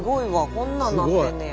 こんなんなってんねや。